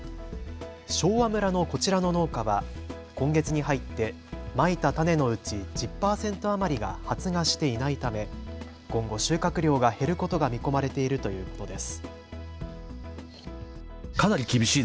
昭和村のこちらの農家は今月に入って、まいた種のうち１０％余りが発芽していないため今後、収穫量が減ることが見込まれているということです。